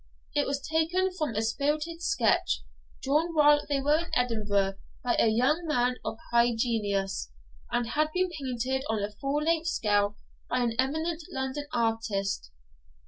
It was taken from a spirited sketch, drawn while they were in Edinburgh by a young man of high genius, and had been painted on a full length scale by an eminent London artist.